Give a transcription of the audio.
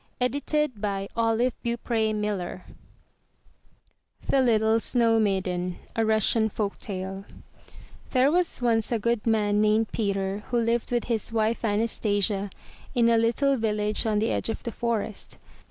229 M Y BOOK HOUSE THE LITTLE SNOW MAIDEN A Russian Folk Tale There was once a good man named Peter who lived with his wife Anastasia in a little village on the edge of the forest.